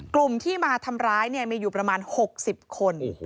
กลุ่มที่มาทำร้ายมีอยู่ประมาณ๖๐คน